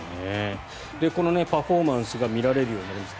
このパフォーマンスが見られるようになった。